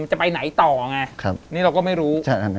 จะไปไหนต่อไงนี่เราก็ไม่รู้